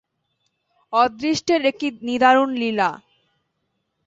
অদৃষ্টের এ কী নিদারূণ লীলা!